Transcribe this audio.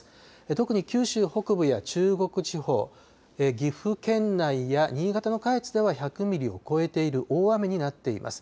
特に九州北部や中国地方、岐阜県内や新潟の下越では１００ミリを超えている大雨になっています。